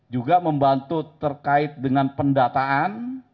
juga membantu terkait dengan pendataan